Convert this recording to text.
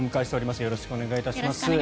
よろしくお願いします。